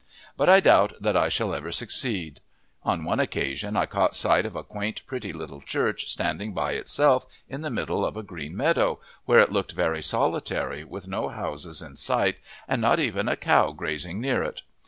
But I doubt that I shall ever succeed. On one occasion I caught sight of a quaint, pretty little church standing by itself in the middle of a green meadow, where it looked very solitary with no houses in sight and not even a cow grazing near it.